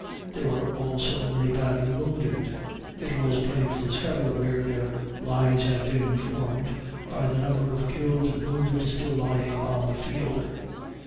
There were also many badly wounded. It was plain to discover where their lines had been formed, by the number of killed and wounded still lying on the field.